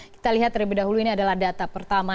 kita lihat terlebih dahulu ini adalah data pertama